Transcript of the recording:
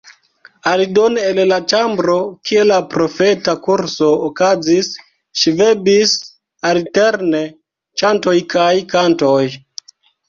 Aldone el la ĉambro, kie la profeta kurso okazis, ŝvebis alterne ĉantoj kaj kantoj.